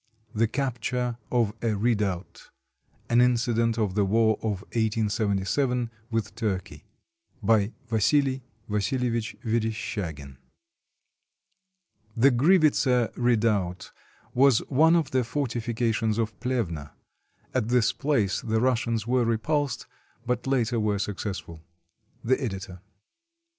THE CAPTURE OF A REDOUBT [An incident of the war of 1877 with Turkey] BY VASILI VASILEVICH VERESHCHAGIN [The Grivitsa Redoubt was one of the fortifications of Plevna. At this place the Russians were repulsed, but later were successful. The Editor.